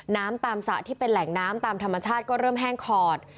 น้ำตามสระที่เป็นแหล่งน้ำตามธรรมชาติก็เริ่มแห้งขอด